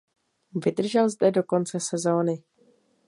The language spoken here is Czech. Vydržel zde do konce sezóny.